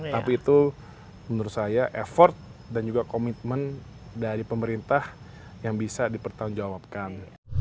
tapi itu menurut saya effort dan juga commitment dari pemerintah yang bisa dipertanggung jawabkan